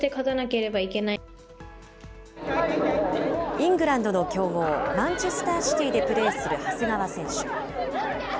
イングランドの強豪、マンチェスターシティーでプレーする長谷川選手。